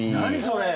それ！